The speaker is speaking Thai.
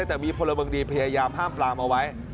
แต่มีพลเมืองดีพยายามห้ามปลามเอาไว้